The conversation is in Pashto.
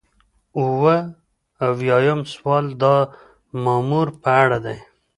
اووه اویایم سوال د مامور په اړه دی.